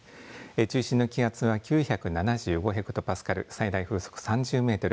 中心の気圧は９７５ヘクトパスカル最大風速３０メートル